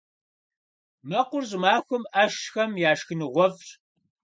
Мэкъур щӀымахуэм Ӏэщхэм я шхыныгъуэфӀщ.